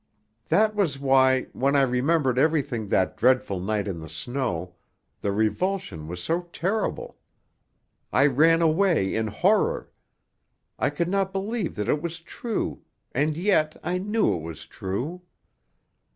"That was why, when I remembered everything that dreadful night in the snow, the revulsion was so terrible. I ran away in horror. I could not believe that it was true and yet I knew it was true.